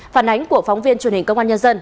phản ánh của phóng viên truyền hình công an nhân dân